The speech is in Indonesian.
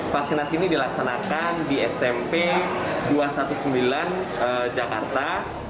vaksinasi ini dilaksanakan di smp dua ratus sembilan belas jakarta